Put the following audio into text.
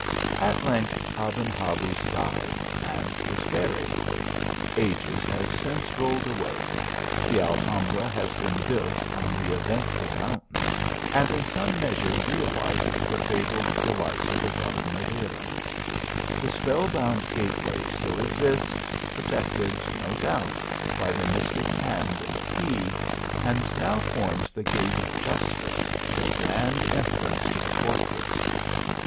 At length, Aben Habuz died and was buried. Ages have since rolled away. The Alhambra has been built on the eventful mountain, and in some measure realizes the fabled delights of the garden of T rem. The spell bound gateway still exists, protect ed, no doubt, by the mystic hand and key, and now forms the gate of justice, the grand entrance to the fortress.